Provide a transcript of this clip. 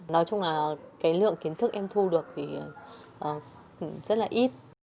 nói chung là cái lượng kiến thức em thu được thì rất là ít